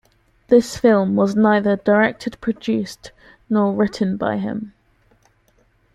This film was neither directed-produced nor written by him.